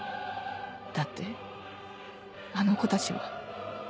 だってあの子たちは